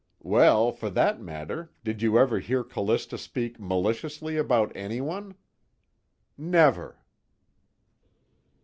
"Well, for that matter, did you ever hear Callista speak maliciously about anyone?" "Never."